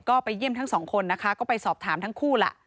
ก็ไปเยี่ยมทั้งสองคนนะคะก็ไปสอบถามทั้งคู่ล่ะ